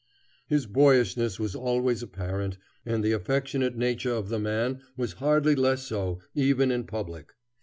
His boyishness was always apparent, and the affectionate nature of the man was hardly less so, even in public.